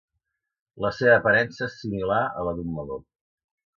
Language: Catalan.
La seva aparença és similar a la d'un meló.